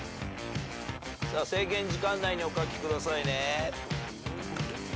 制限時間内にお書きくださいね。